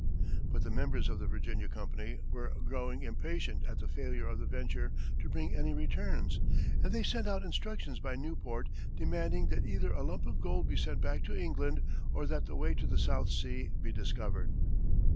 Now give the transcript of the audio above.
But the members of the Virginia Company were growing impatient at the failure of the venture to bring any returns, and they sent out instructions by Newport demanding that either a lump of gold be sent back to England or that the way to the South Sea be discovered.